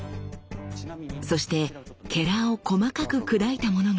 そしてを細かく砕いたものが。